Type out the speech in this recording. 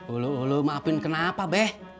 ulu ulu maafin kenapa beh